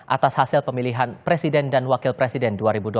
atas hasil pemilihan presiden dan wakil presiden dua ribu dua puluh